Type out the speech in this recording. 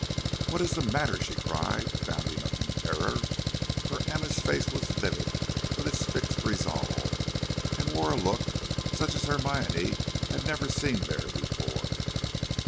"What is the matter?" she cried, bounding up in terror, for Emma's face was livid with its fixed resolve, and wore a look such as Hermione had never seen there before.